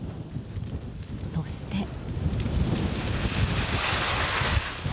そして。